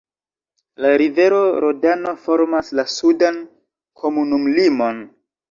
La rivero Rodano formas la sudan komunumlimon.